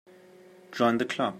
Join the Club.